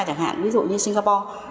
ví dụ như singapore